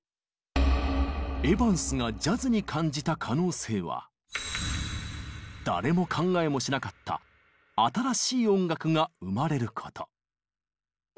エヴァンスがジャズに感じた可能性は「誰も考えもしなかった新しい音楽」が生まれること。